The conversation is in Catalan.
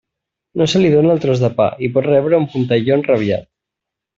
No se li dóna el tros de pa i pot rebre un puntelló enrabiat.